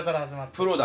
プロだ。